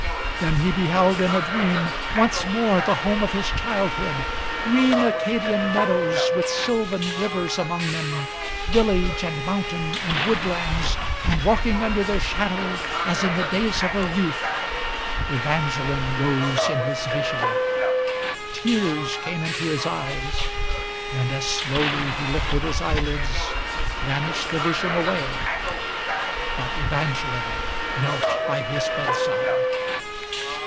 Then he beheld, in a dream, once more the home of his childhood; Green Acadian meadows, with sylvan rivers among them, Village, and mountain, and woodlands; and, walking under their shadow, As in the days of her youth, Evangeline rose in his vision. Tears came into his eyes; and as slowly he lifted his eyelids, Vanished the vision away, but Evangeline knelt by his bedside.